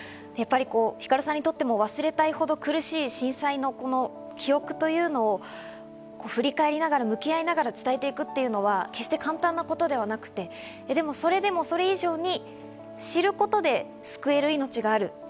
やっぱりひかるさんにとっても忘れたいほど苦しい震災の記憶というのを振り返りながら、向き合いながら伝えていくというのは決して簡単なことではなくて、でもそれでも、それ以上に知ることで救える命がある。